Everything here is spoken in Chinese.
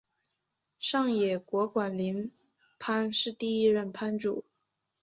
上野国馆林藩第一任藩主。